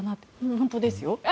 本当ですよ？